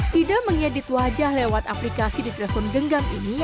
tidak mengedit wajah lewat aplikasi di telepon genggam ini